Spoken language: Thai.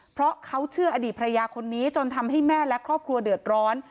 เพราะเขาเชื่ออดีตภรรยาคนนี้จนทำให้แม่และครอบครัวเดือดร้อน